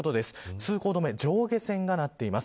通行止めは上下線がなっています。